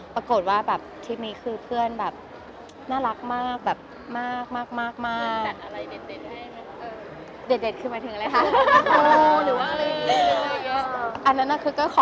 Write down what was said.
ปรากฏว่าแบบที่มีคือเพื่อนแบบน่ารักมากแบบมาก